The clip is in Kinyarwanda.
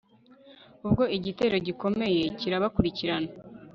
ubwo igitero gikomeye kirabakurikirana